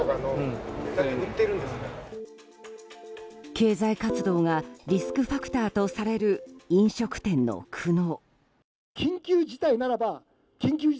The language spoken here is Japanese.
経済活動がリスクファクターとされる飲食店の苦悩。